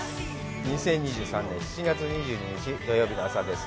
２０２３年７月２２日、土曜日の朝です。